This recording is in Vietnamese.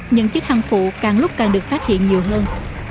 những chức hang phụ càng lúc càng được phát hiện nhiều hơn